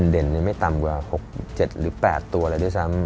เด่นไม่ต่ำกว่า๖๗หรือ๘ตัวเลยด้วยซ้ำ